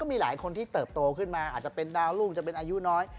มีหลายคนที่เติบโตขึ้นมาอาจจะเป็นดาวรุ่งจะเป็นอายุน้อย